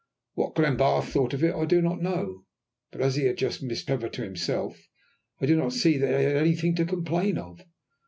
What Glenbarth thought of it I do not know, but as he had Miss Trevor to himself, I do not see that he had anything to complain of.